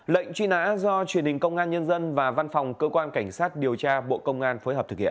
lệnh truy nã do truyền hình công an nhân dân và văn phòng cơ quan cảnh sát điều tra bộ công an phối hợp thực hiện